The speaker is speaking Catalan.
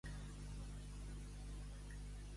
—Quatre i quatre? —Vuit. —On vegis merda, clava-hi el dit.